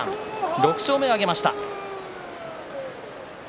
６勝目を挙げました。